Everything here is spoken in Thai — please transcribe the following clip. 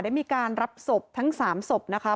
ได้มีการรับศพทั้ง๓ศพนะคะ